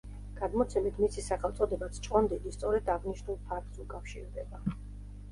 გადმოცემით, მისი სახელწოდებაც „ჭყონდიდი“ სწორედ აღნიშნულ ფაქტს უკავშირდება.